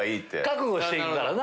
覚悟して行くからな